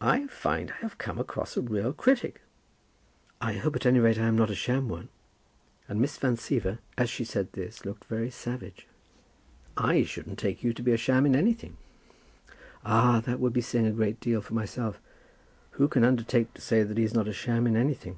"I find I have come across a real critic." "I hope, at any rate, I am not a sham one;" and Miss Van Siever as she said this looked very savage. "I shouldn't take you to be a sham in anything." "Ah, that would be saying a great deal for myself. Who can undertake to say that he is not a sham in anything?"